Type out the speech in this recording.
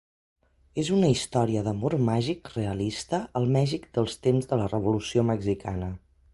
És una història d'amor màgic realista al Mèxic dels temps de la Revolució Mexicana.